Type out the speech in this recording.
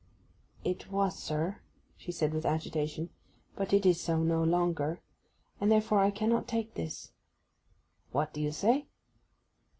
'It was, sir,' she said with agitation. 'But it is so no longer. And, therefore, I cannot take this.' 'What do you say?